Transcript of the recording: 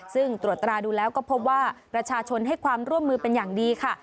ซึ่งตรวจตราดูแล้วก็พบว่าประชาชนให้ความร่วมมือเป็นอย่างดีค่ะ